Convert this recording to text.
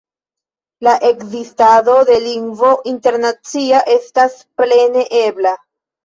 La ekzistado de lingvo internacia estas plene ebla.